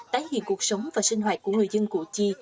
tái hiện cuộc sống và sinh hoạt của người dân củ chi